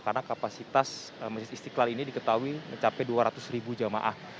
karena kapasitas masjid istiqlal ini diketahui mencapai dua ratus jamaah